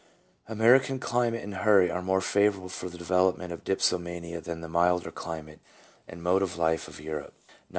American climate and hurry are more favourable for the development of dipsomania than the milder climate and mode of life of Europe; not infrequently 1 P.